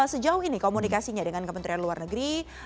sejauh ini komunikasinya dengan kementerian luar negeri